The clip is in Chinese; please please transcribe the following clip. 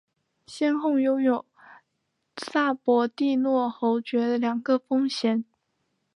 先后拥有萨博蒂诺侯爵两个封衔。